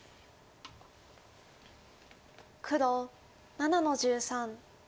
黒７の十三。